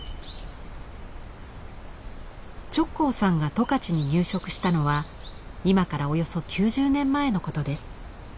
直行さんが十勝に入植したのは今からおよそ９０年前のことです。